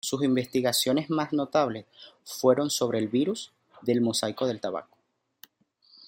Sus investigaciones más notables fueron sobre el virus del mosaico del tabaco.